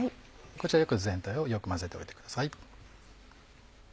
こちら全体をよく混ぜておいてください。